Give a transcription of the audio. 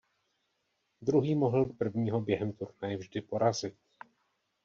Druhý mohl prvního během turnaje vždy porazit.